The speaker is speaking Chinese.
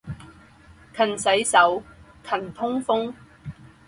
勤洗手，常通风。